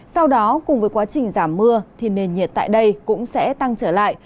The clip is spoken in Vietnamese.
sau đó cùng với quá trình giảm mưa thì nền nhiệt tại đây cũng sẽ tăng trở lại